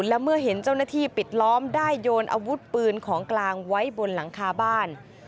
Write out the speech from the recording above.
และเมื่อเห็นเจ้าหน้าที่ปิดล้อมได้โยนอาวุธปืนของกลางไว้บนหลังคาบ้าน